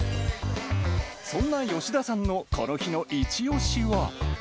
そんな吉田さんのこの日の一押しは。